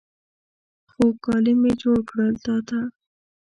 خو، کالي مې جوړ کړل تا ته